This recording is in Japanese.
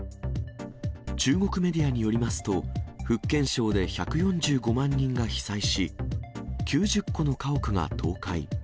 中国メディアによりますと、福建省で１４５万人が被災し、９０戸の家屋が倒壊。